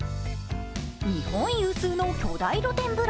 日本有数の巨大露店風呂。